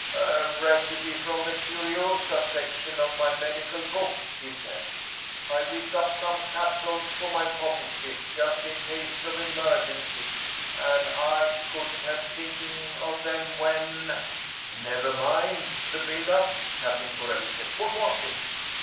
"A recipe from the curiosa section of my medical book," he said. "I whipped up some capsules for my pocket kit, just in case of emergency, and I couldn't help thinking of them when " "Never mind the buildup," Captain Corelli said. "_What was it?